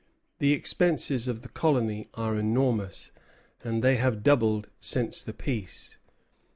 The expenses of the colony are enormous; and they have doubled since the peace."